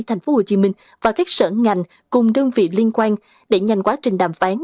thành phố hồ chí minh và các sở ngành cùng đơn vị liên quan để nhanh quá trình đàm phán